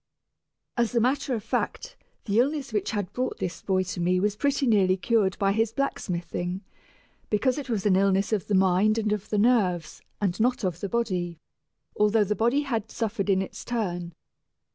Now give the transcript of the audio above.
As a matter of fact, the illness which had brought this boy to me was pretty nearly cured by his blacksmithing, because it was an illness of the mind and of the nerves, and not of the body, although the body had suffered in its turn.